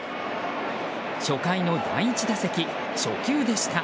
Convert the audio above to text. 初回の第１打席、初球でした。